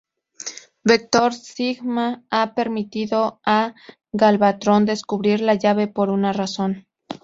Vector Sigma ha permitido a Galvatron descubrir la Llave por una razón.